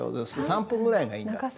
３分ぐらいがいいんだって。